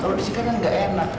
kalo disingkatnya gak enak